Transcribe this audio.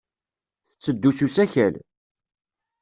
Tetteddu s usakal.